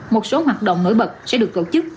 một số hoạt động nổi bật sẽ được tổ chức